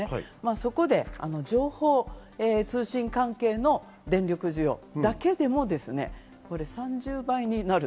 そこで情報通信関係の電力需要だけでも３０倍になる。